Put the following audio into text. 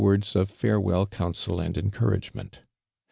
words of farewell counsel and encourage ment.